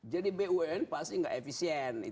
bumn pasti nggak efisien